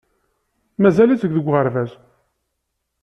Mazal-itt deg uɣerbaz.